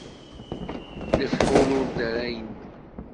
Lefḥul ur ddarayen.